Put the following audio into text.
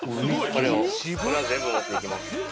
これは全部持っていきます。